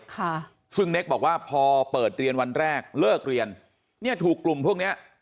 ค่ะซึ่งเน็กบอกว่าพอเปิดเรียนวันแรกเลิกเรียนเนี่ยถูกกลุ่มพวกเนี้ย